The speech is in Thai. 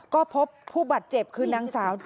ก็พบผู้บาดเจ็บคือนางสาว